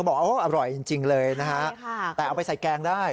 บอกว่าอร่อยจริงเลยนะฮะแต่เอาไปใส่แกงได้